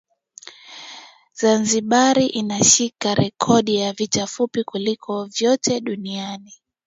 Zanzibar inashika rekodi ya vita fupi kuliko vyote duniani